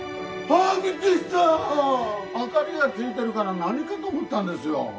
ああびっくりした明かりがついてるから何かと思ったんですよ